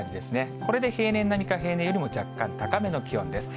これで平年並みか平年よりも若干高めの気温です。